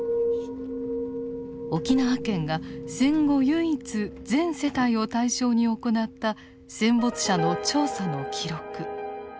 沖縄県が戦後唯一全世帯を対象に行った戦没者の調査の記録。